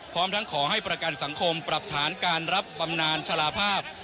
พร้อมทั้งขอให้ประกันสังคมปรับฐานการรับบำนานชะลาภาพ